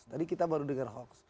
tadi kita baru dengar hoax